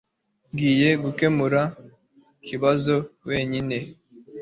Ngiye gukemura ikibazo wenyine